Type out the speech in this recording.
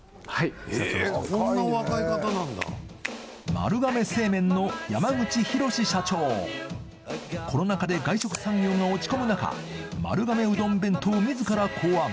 丸亀製麺の山口寛社長コロナ禍で外食産業が落ち込む中丸亀うどん弁当をみずから考案